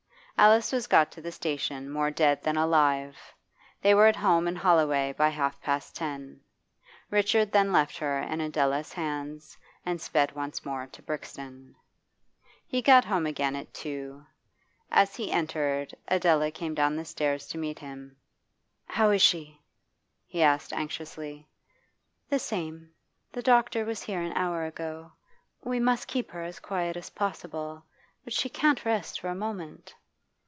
Alice was got to the station more dead than alive; they were at home in Holloway by half past ten. Richard then left her in Adela's hands and sped once more to Brixton. He got home again at two. As he entered Adela came down the stairs to meet him. 'How is she?' he asked anxiously. 'The same. The doctor was here an hour ago. We must keep her as quiet as possible. But she can't rest for a moment.